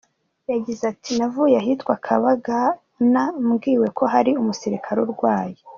Yagize ati “Navuye ahitwa Kabagana, mbwiwe ko hari umusirikare urwaye.